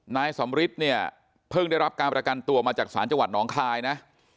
นายสำริทเนี่ยเพิ่งได้รับการประกันตัวมาจากศาลจังหวัดน้องคายนะ